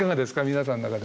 皆さんの中で。